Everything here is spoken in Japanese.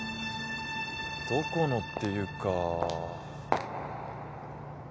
どこのっていうか。